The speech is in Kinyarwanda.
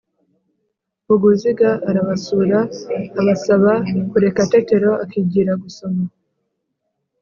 Vuguziga arabasura, abasaba kureka Tetero akigira gusoma.